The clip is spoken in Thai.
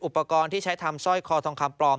อุปกรณ์ที่ใช้ทำสร้อยคอทองคำปลอม